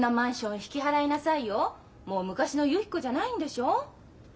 もう昔のゆき子じゃないんでしょ？